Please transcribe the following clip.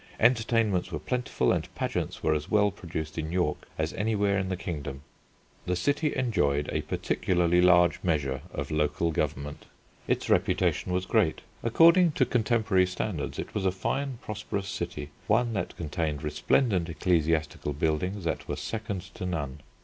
Entertainments were plentiful and pageants were as well produced in York as anywhere in the kingdom. The city enjoyed a particularly large measure of local government. Its reputation was great. According to contemporary standards it was a fine prosperous city, one that contained resplendent ecclesiastical buildings that were second to none.